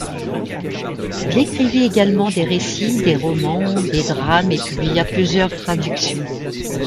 Il écrivit également des récits, des romans, des drames et publia plusieurs traductions.